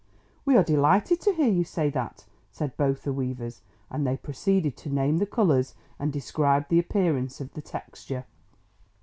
"We are delighted to hear you say that," said both the weavers, and they proceeded to name the colours and describe the appearance of the texture.